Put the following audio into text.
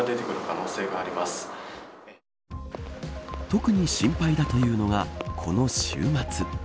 特に心配だというのがこの週末。